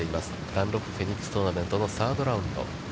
ダンロップフェニックストーナメントのサードラウンド。